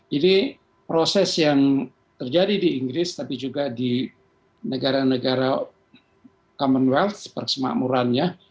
jadi proses yang terjadi di inggris tapi juga di negara negara commonwealth seperti semakmurannya